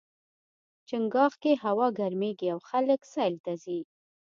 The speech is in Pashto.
چنګاښ کې هوا ګرميږي او خلک سیل ته ځي.